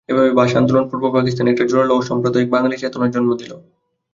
এভাবে ভাষা আন্দোলন পূর্ব পাকিস্তানে একটা জোরালো অসাম্প্রদায়িক বাঙালি চেতনার জন্ম দিল।